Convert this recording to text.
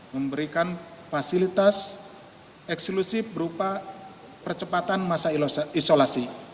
memberikan fasilitas eksklusif berupa percepatan masa isolasi